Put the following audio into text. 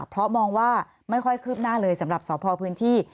เพราะมองว่าไม่ค่อยคืบหน้าเลยสำหรับสพพื้นที่